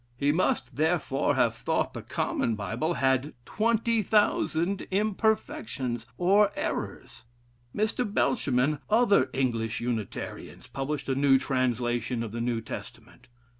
He must, therefore, have thought the common Bible had twenty thousand imperfections or errors. Mr. Belsham, and other English Unitarians, published a new translation of the New Testament.